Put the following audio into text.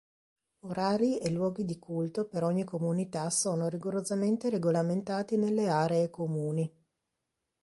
Orari e luoghi di culto per ogni comunità sono rigorosamente regolamentati nelle aree comuni.